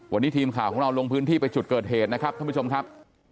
วันนี้ทีมข่าวของเราลงพื้นที่ไปจุดเกิดเหตุนะครับท่านผู้ชมครับ